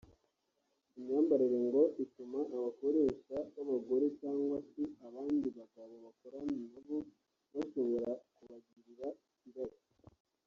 Iyo myambarire ngo ituma abakoresha b’ababagore cyangwa se abandi bagabo bakorana nabo bashobora kubagirira irari